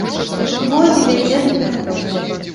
Бо не вядзе да перамогі.